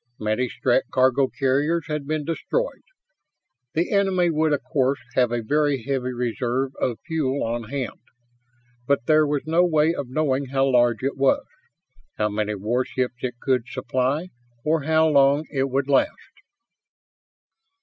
Many Strett cargo carriers had been destroyed. The enemy would of course have a very heavy reserve of fuel on hand. But there was no way of knowing how large it was, how many warships it could supply, or how long it would last.